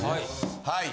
はい。